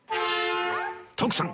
徳さん